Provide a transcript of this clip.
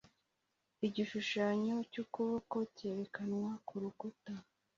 Igishushanyo cy'ukuboko cyerekanwa ku rukuta